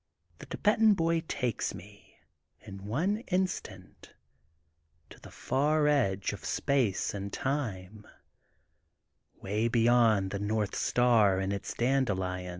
The Thibetan Boy takes me, in one in stant, to the far edge of Space and Time, way beyond the North Star and its dande lions.